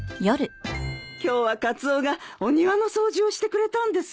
今日はカツオがお庭の掃除をしてくれたんですよ。